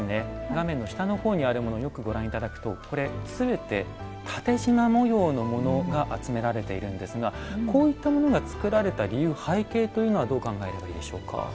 画面の下の方にあるものをよくご覧頂くとこれ全て縦じま模様のものが集められているんですがこういったものが作られた理由背景というのはどう考えればいいでしょうか。